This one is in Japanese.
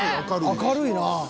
明るいなあ。